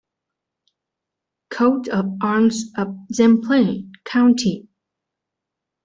– Coat of arms of Zemplén county.